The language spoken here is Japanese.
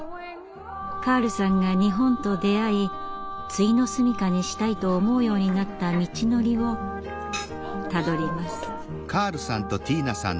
カールさんが日本と出会いついの住みかにしたいと思うようになった道のりをたどります。